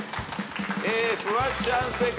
フワちゃん正解。